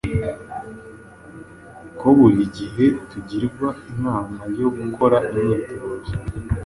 ko buri gihe tugirwa inama yo gukora imyitozo